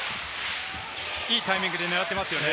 いいタイミングで狙ってますね。